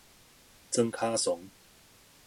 庄跤倯